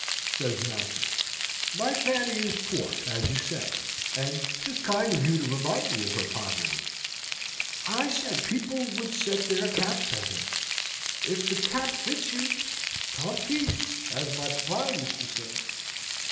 says Mountain. "My Fanny is poor, as you say; and 'tis kind of you to remind me of her poverty!" "I said people would set their caps at him. If the cap fits you, tant pis! as my papa used to say."